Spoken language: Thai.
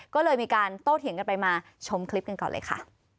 ก็เลยมีการโต้เถียงกันไปมาชมคลิปกันก่อนเลยค่ะ